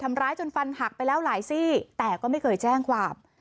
ทำร้ายจนฟันหักไปแล้วหลายซี่แต่ก็ไม่เคยแจ้งความ